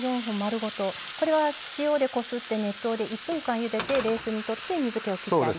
これは塩でこすって熱湯で１分間ゆでて冷水にとって水けをきってあります。